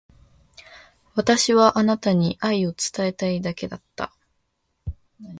私はあなたに愛を伝えたいだけだった。